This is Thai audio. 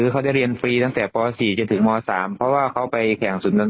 เขาได้เรียนฟรีตั้งแต่ป่าวสี่จะถึงม้อสามเพราะว่าเขาไปแข่งสุดนั้น